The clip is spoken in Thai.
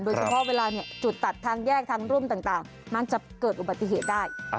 เวลาจุดตัดทางแยกทางร่วมต่างมันจะเกิดอุบัติเหตุได้